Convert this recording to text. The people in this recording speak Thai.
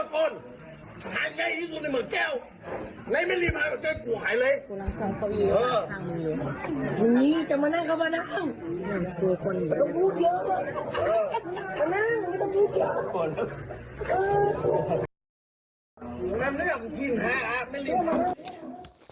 ไอ้แม่วิลิมไอ้แม่วิลิมไอ้แม่วิลิมไอ้แม่วิลิม